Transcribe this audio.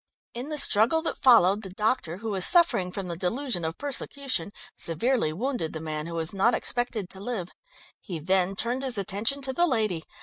In the struggle that followed the doctor, who is suffering from the delusion of persecution, severely wounded the man, who is not expected to live. He then turned his attention to the lady.